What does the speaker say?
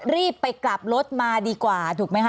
รีบไปกลับรถมาดีกว่าถูกไหมคะ